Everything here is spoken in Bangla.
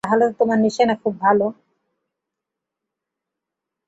তাহলে তো তোমার নিশানা খুব ভালো।